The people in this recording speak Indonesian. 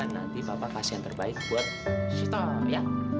nanti papa kasih yang terbaik buat sita ya